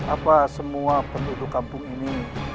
apa semua penduduk kampung ini